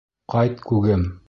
Ҡайт, күгем!